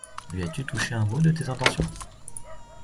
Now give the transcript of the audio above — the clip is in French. Lui as-tu touché un mot de tes intentions?